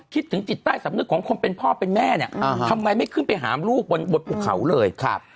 คิดถึงจิตใต้สำนึกของคนเป็นพ่อเป็นแม่เนี่ยทำไมไม่ขึ้นไปหามลูกบนภูเขาเลย